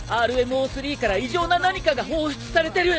ＲＭＯ−Ⅲから異常な何かが放出されてる。